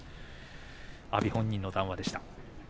阿炎本人の談話でした。